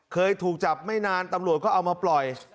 เคยถูกจับไม่นานตำรวจก็เอามาปล่อย